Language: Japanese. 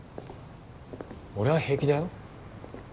俺は平気だよ。